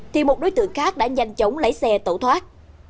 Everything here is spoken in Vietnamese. thì một đối tượng khác đã nhanh chóng lấy xe tẩu thoát